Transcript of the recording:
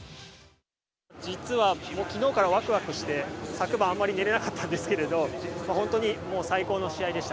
実はきのうからわくわくして、昨晩、あまり寝れなかったんですけれど、本当にもう最高の試合でした。